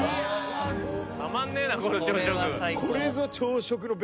これぞ。